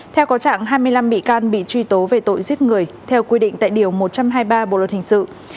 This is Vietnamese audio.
theo có trạng hai mươi năm bị can bị truy tố về tội giết người theo quy định tại điều một trăm hai mươi ba bộ luật hình sự